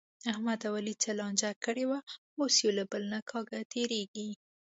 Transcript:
احمد او علي څه لانجه کړې وه، اوس یو له بل نه کاږه تېرېږي.